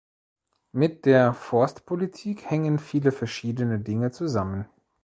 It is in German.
Mit der Forstpolitik hängen viele verschiedene Dinge zusammen.